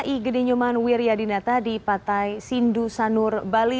igeni nyoman wiryadinata di patai sindu sanur bali